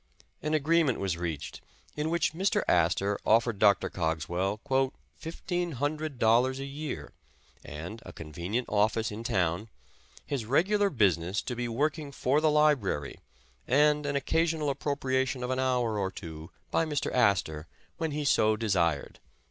An agreement was reached in which Mr. Astor offered Dr. Cogswell ''fifteen hundred dollars a year, and a convenient office in town, his regular busi ness to be working for the library, and an occasional appropriation of an hour or two by Mr. Astor, when he so desired."